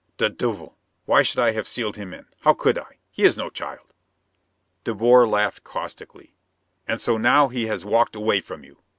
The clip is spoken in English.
"De duvel, why should I have sealed him in? How could I? He is no child!" De Boer laughed caustically. "And so he has walked away from you?